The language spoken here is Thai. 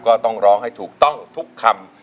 ก็ต้องร้องให้ถูกต้องทุกคำ